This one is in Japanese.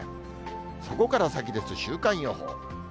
そこから先です、週間予報。